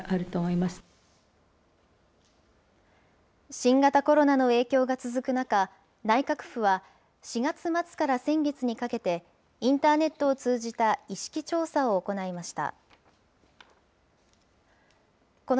新型コロナの影響が続く中、内閣府は４月末から先月にかけて、インターネットを通じた意識調査を行いました。